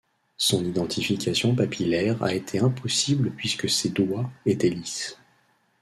Son identification papillaire a été impossible puisque ses doigts étaient lisses.